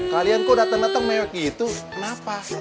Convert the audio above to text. kalian kok dateng dateng mewek gitu kenapa